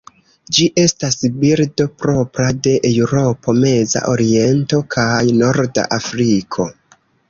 Ĝi estas birdo propra de Eŭropo, Meza Oriento kaj Norda Afriko.